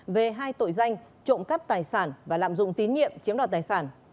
về hai tội danh trộm cắp tài sản và lạm dụng tín nhiệm chiếm đoạt tài sản